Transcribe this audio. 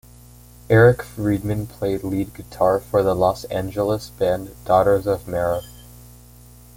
Eric Friedman played lead guitar for the Los Angeles band Daughters of Mara.